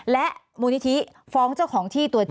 และมูลนิธิฟ้องเจ้าของที่ตัวจริง